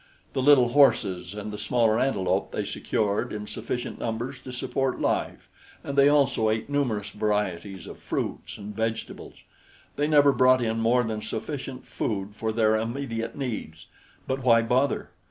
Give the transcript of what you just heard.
The little horses and the smaller antelope they secured in sufficient numbers to support life, and they also ate numerous varieties of fruits and vegetables. They never brought in more than sufficient food for their immediate needs; but why bother?